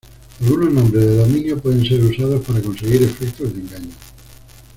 Algunos nombres de dominio pueden ser usados para conseguir efectos de engaño.